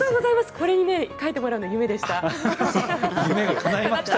これに描いてもらうのが夢でした。